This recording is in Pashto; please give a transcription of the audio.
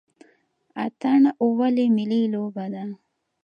اتن ولې ملي لوبه ده؟